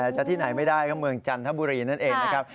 จะที่ไหนไม่ได้ก็เมืองจันทบุรีนั่นเองนะครับ